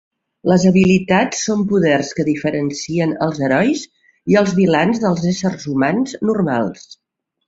Les habilitats són poders que diferencien els herois i els vilans dels éssers humans normals.